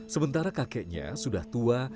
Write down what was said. sementara kakeknya sudah tua